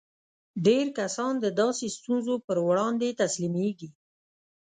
ډېر کسان د داسې ستونزو پر وړاندې تسليمېږي.